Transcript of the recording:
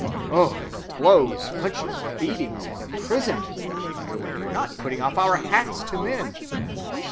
Oh! the blows, punchings, beatings, and imprisonments that we underwent for not putting off our hats to men!